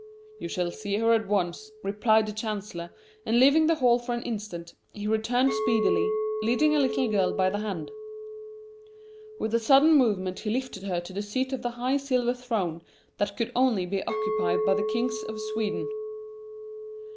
"You shall see her at once," replied the Chancellor; and leaving the Hall for an instant, he returned speedily, leading a little girl by the hand. With a sudden movement he lifted her to the seat of the high silver throne that could only be occupied by the kings of Sweden.